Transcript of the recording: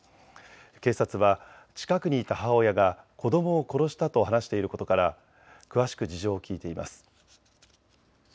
警察は近くにいた母親が子どもを殺したと話していることから詳しく事情を聞いています。